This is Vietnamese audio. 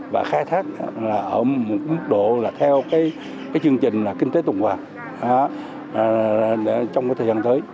và khai thác ở một mức độ theo chương trình kinh tế tùng hoàng trong thời gian tới